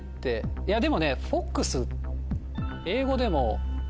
いやでも。